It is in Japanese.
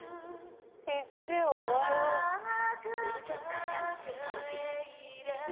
いずれお前は自らの民を裏切る。